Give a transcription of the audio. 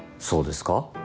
そうですか？